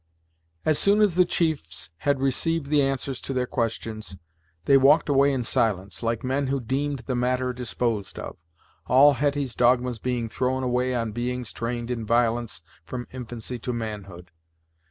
As soon as the chiefs had received the answers to their questions, they walked away in silence, like men who deemed the matter disposed of, all Hetty's dogmas being thrown away on beings trained in violence from infancy to manhood.